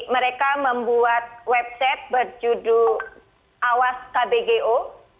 mereka membuat website berjudul awas kbgo